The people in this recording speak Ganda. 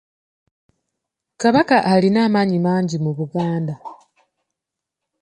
Kabaka alina amaanyi mangi mu Buganda.